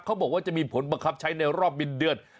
เขาบอกว่าจะมีผลบังคับใช้ในรอบบินเดือน